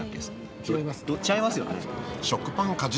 違いますよね。